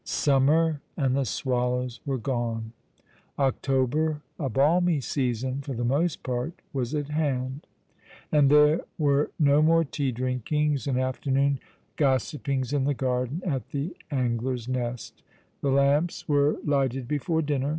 Summer and the swallows were gone. October; a balmy season for the most part, was at hand; ^^ Of the Weak my Heart is Weakest ^ 139 and tliere were no more tea driukings and afternoon gossip ings in the garden at the Angler's Nest. The lamps were lighted before dinner.